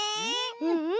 うんうん。